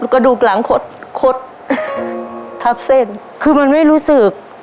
กระดูกหลังขดคดทับเส้นคือมันไม่รู้สึก